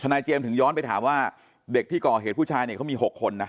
เจมส์ถึงย้อนไปถามว่าเด็กที่ก่อเหตุผู้ชายเนี่ยเขามี๖คนนะ